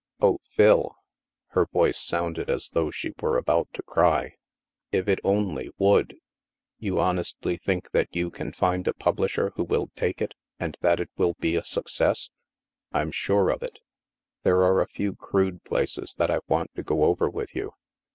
" Oh, Phil " (her voice soimded as though she were about to cry), "if it only would! You hon estly think that you can find a publisher who will take it, and that it will be a success ?"" I'm sure of it. There are a few crude places that I want to go over with you.